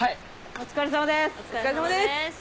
お疲れさまです。